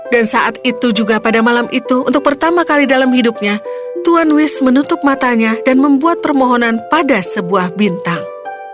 dan saat itu juga pada malam itu untuk pertama kali dalam hidupnya tuan wish menutup matanya dan membuat permohonan pada sebuah bintang